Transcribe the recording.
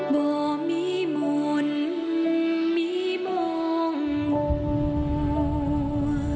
บ่มิมุนมิมองหัว